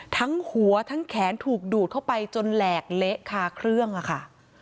ทั้งหัวทั้งแขนถูกดูดเข้าไปจนแหลกเละคาเครื่องค่ะ